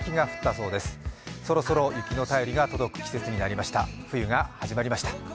そろそろ雪の便りが届く季節になりました冬が始まりました。